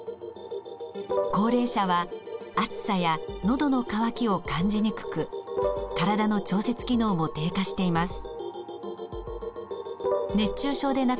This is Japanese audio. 高齢者は暑さやのどの渇きを感じにくく体の調節機能も低下しています。